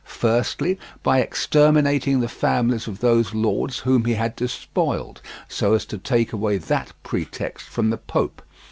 Firstly, by exterminating the families of those lords whom he had despoiled, so as to take away that pretext from the Pope.